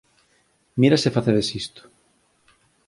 Mira se facedes isto